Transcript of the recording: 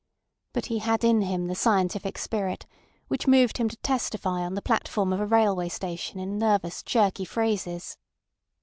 But he had in him the scientific spirit, which moved him to testify on the platform of a railway station in nervous jerky phrases.